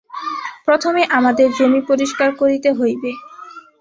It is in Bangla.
প্রথমে আমাদের জমি পরিষ্কার করিতে হইবে।